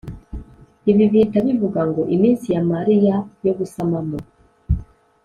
ibi bihita bivuga ngo, iminsi ya mariya yo gusamamo,